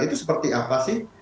itu seperti apa sih